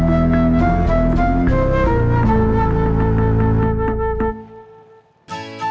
kayak sayang dalam hidup